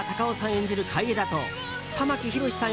演じる海江田と玉木宏さん